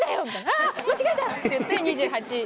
「あぁ間違えた！」って言って２８。